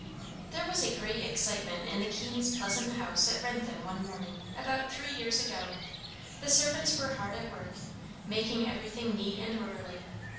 There was a great excitement in the Keene's pleasant home at Wrentham, one morning, about three years ago. The servants were hard at work, making everything neat and orderly.